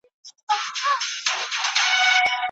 وو حاکم مګر مشهوره په امیر وو